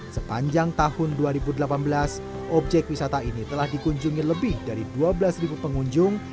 sepanjang tahun dua ribu delapan belas objek wisata ini telah dikunjungi lebih dari dua belas pengunjung